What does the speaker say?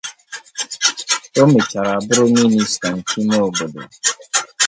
O mechara bụrụ Mịnịsta nke ime obodo.